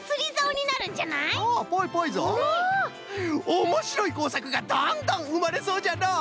おもしろいこうさくがどんどんうまれそうじゃのう。